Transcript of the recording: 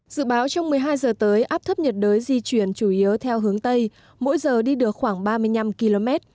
dự báo trong một mươi hai h tới áp thấp nhiệt đới di chuyển chủ yếu theo hướng tây mỗi giờ đi được khoảng ba mươi năm km